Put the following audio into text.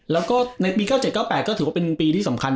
แล้วก็ในปี๙๗๙๘ก็ถือว่าเป็นปีที่สำคัญ